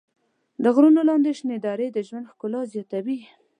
د غرونو لاندې شنې درې د ژوند ښکلا زیاتوي.